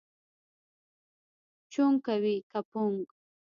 چونګ کوې که پونګ؟